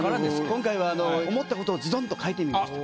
今回は思ったことをズドンと書いてみました。